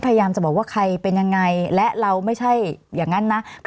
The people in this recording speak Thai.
พยายามจะบอกว่าใครเป็นยังไงและเราไม่ใช่อย่างนั้นนะ